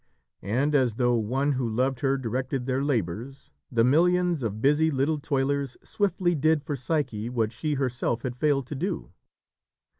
And as though one who loved her directed their labours, the millions of busy little toilers swiftly did for Psyche what she herself had failed to do.